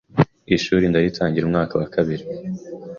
ishuri ndaritangira, umwaka wa kabiri